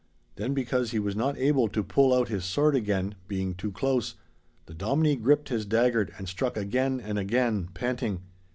Then because he was not able to pull out his sword again, being too close, the Dominie gripped his dagger and struck again and again, panting.